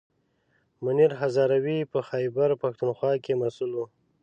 منیر هزاروي په خیبر پښتونخوا کې مسوول و.